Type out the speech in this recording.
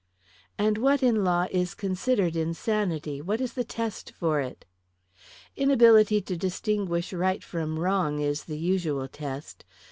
"And what, in law, is considered insanity what is the test for it?" "Inability to distinguish right from wrong is the usual test.